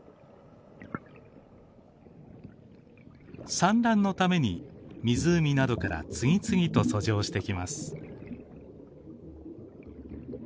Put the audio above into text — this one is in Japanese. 産卵のために湖などから次々と遡上してきます。